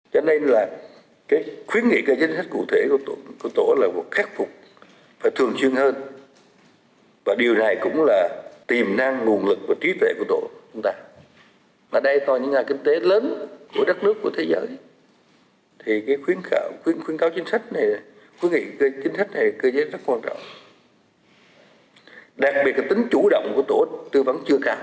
và điều này cũng là tiềm năng nguồn lực và trí tuệ của tổ tư vấn